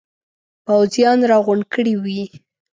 پوځیان را غونډ کړي وي.